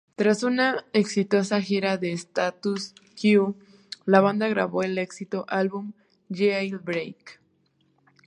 Tras una exitosa gira con Status Quo, la banda grabó el exitoso álbum "Jailbreak".